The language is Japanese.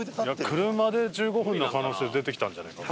車で１５分の可能性出てきたんじゃないか？